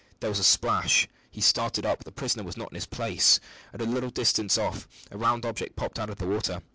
There was a splash. He started up. The prisoner was not in his place. At a little distance off a round object popped out of the water.